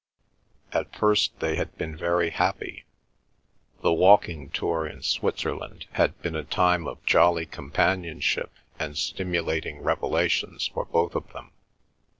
... At first they had been very happy. The walking tour in Switzerland had been a time of jolly companionship and stimulating revelations for both of them.